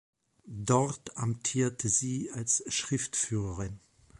Dort amtierte sie als Schriftführerin.